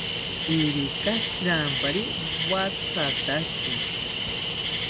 Irika shirampari wathataki